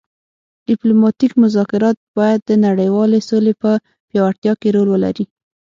ډیپلوماتیک مذاکرات باید د نړیوالې سولې په پیاوړتیا کې رول ولري